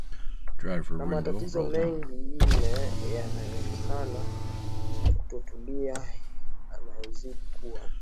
na matatizo mengine yanayoonekana kutotatulika yanayozidi kuwa